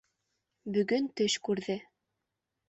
Бөгөн төш күрҙе.